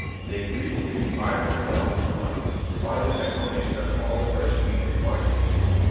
They agreed to give me five hundred dollars per month, provided I furnished them all the fresh meat required.